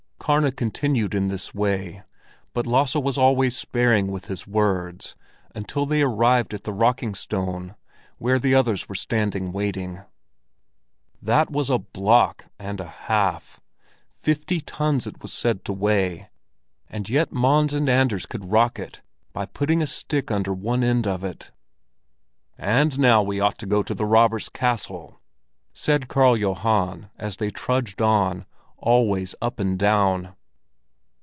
Karna continued in this way, but Lasse was always sparing with his words, until they arrived at the Rockingstone, where the others were standing waiting. That was a block and a half! Fifty tons it was said to weigh, and yet Mons and Anders could rock it by putting a stick under one end of it. "And now we ought to go to the Robbers' Castle," said Karl Johan, and they trudged on, always up and down.